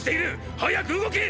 早く動け！